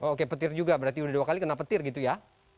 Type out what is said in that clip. oke petir juga berarti udah dua kali kena petir gitu ya